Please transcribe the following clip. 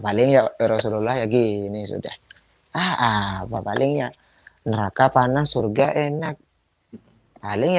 paling rasulullah ya gini sudah apa palingnya neraka panas surga enak palingnya